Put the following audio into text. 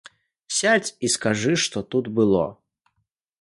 Сядзь і скажы, што тут было.